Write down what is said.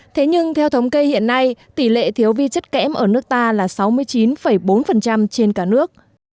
thế nhưng theo thống kê hiện nay tỷ lệ thiếu vi chất kém ở nước ta là sáu mươi chín bốn trên cả nước